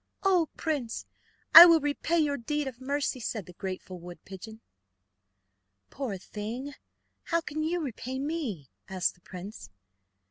"Oh, prince, I will repay your deed of mercy, said the grateful wood pigeon. "Poor thing! how can you repay me?" asked the prince.